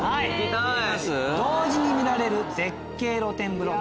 同時に見られる絶景露天風呂